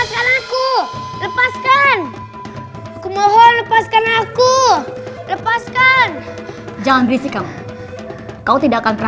kanda tetap menjadi wanita yang sempurna